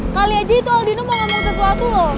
kali aja itu aldino mau ambil sesuatu loh